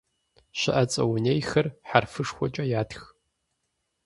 Щыӏэцӏэ унейхэр хьэрфышхуэкӏэ ятх.